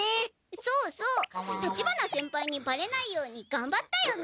そうそう立花先輩にバレないようにがんばったよね。